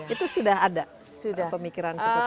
itu sudah ada pemikiran seperti itu